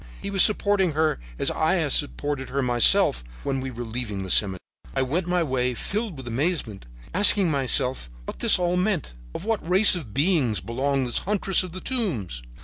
He was supporting her as I had supported her myself when we were leaving the cemetery. "I went my way, filled with amazement, asking myself what this all meant, to what race of beings belonged this huntress of the tombs?